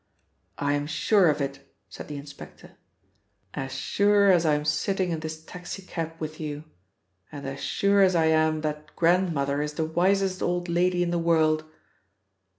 "I am sure of it," said the inspector. "As sure as I'm sitting in this taxi cab with you, and as sure as I am that Grandmother is the wisest old lady in the world."